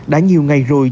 đã nhiều ngày rồi